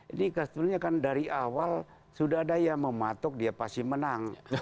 ini sebetulnya kan dari awal sudah ada yang mematok dia pasti menang